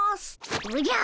おじゃ！